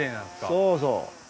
そうそう。